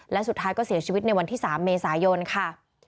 และสุดท้ายก็เสียชีวิตในวันที่๓เมษายนค่ะ